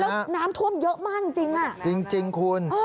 แล้วน้ำท่วมเยอะมากจริงอ่ะจริงคุณ